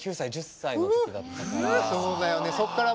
９歳１０歳のときだったから。